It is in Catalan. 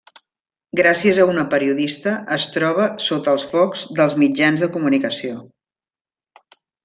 Gràcies a una periodista, es troba sota els focs dels mitjans de comunicació.